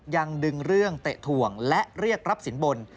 ยังดึงเรื่องเตะถ่วงและเรียกรับสินบน